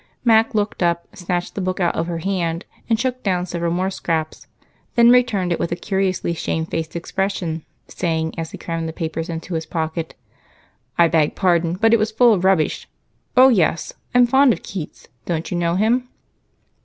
Mac looked up, snatched the book out of her hand, and shook down several more scraps, then returned it with a curiously shamefaced expression, saying, as he crammed the papers into his pocket, "I beg pardon, but it was full of rubbish. Oh, yes! I'm fond of Keats. Don't you know him?"